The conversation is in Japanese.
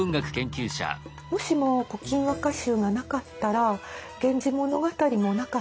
もしも「古今和歌集」がなかったら「源氏物語」もなかった。